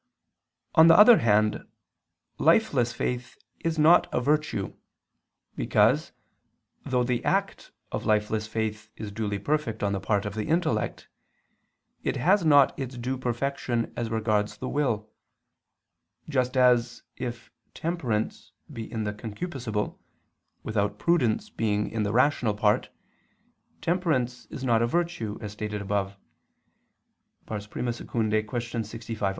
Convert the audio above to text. On the other hand, lifeless faith is not a virtue, because, though the act of lifeless faith is duly perfect on the part of the intellect, it has not its due perfection as regards the will: just as if temperance be in the concupiscible, without prudence being in the rational part, temperance is not a virtue, as stated above (I II, Q. 65, A.